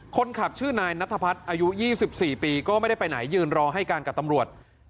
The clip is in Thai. คนขับชื่อนายนัทพัฒน์อายุ๒๔ปีก็ไม่ได้ไปไหนยืนรอให้การกับตำรวจ